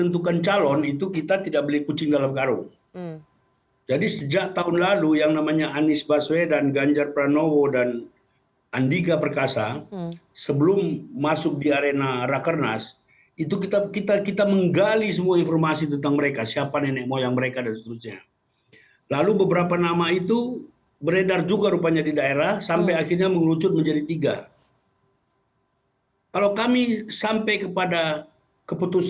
dan kita punya keyakinan kita punya keyakinan bahwa seorang anies ini sesungguhnya dia seorang nasionalis